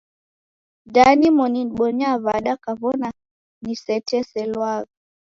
Da nimoni nibonyaa w'ada kaw'ona niseteselwagha?